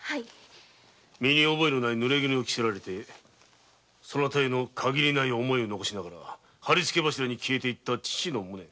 身に覚えのないぬれ衣を着せられそなたへの限りない思いを残しながらハリツケ柱に消えていった父の無念